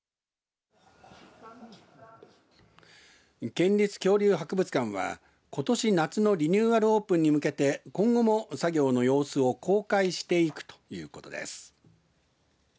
県立恐竜博物館はことし夏のリニューアルオープンに向けて今後も作業の様子を公開していくということです。